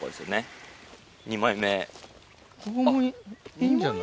ここもいいんじゃない？